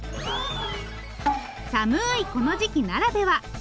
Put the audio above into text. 寒いこの時期ならでは。